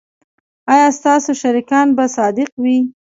ایا ستاسو شریکان به صادق وي؟